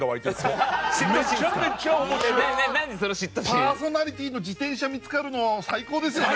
パーソナリティの自転車見付かるの最高ですよね。